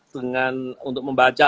dengan untuk membaca